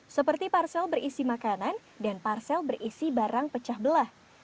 seperti parsel berisi makanan dan parsel berisi barang pecah belah